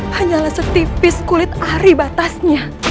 hanyalah setipis kulit ari batasnya